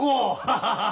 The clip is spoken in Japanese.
ハハハハ。